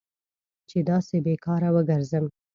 چې داسې بې کاره وګرځم.